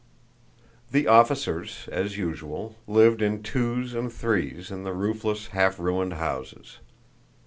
The officers, as usual, lived in twos and threes in the roofless, half ruined houses.